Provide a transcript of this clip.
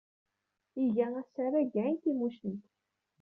Iga asarag deg ɛin Timucent.